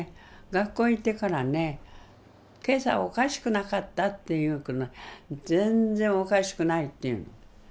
学校へ行ってからね「今朝おかしくなかった？」って言うと「全然おかしくない」って言うの。